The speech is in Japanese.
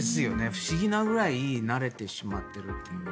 不思議なくらい慣れてしまっているという。